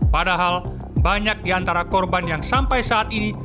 padahal banyak di antara korban yang sampai saat ini